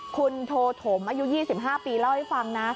คุณโทถมอายุ๒๕ปีเล่าให้ฟังนะ